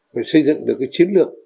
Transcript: phải xây dựng được chiến lược